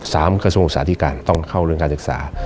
กระทรวงศึกษาธิการต้องเข้าเรื่องการศึกษา